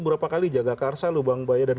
berapa kali jag rescara lubangbaya dan